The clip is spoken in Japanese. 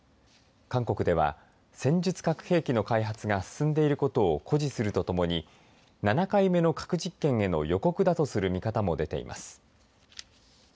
韓国では、戦術核兵器の開発が進んでいることを誇示するとともに７回目の核実験への予告だとする見方も出ています。